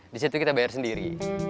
disitu kita bayar sendiri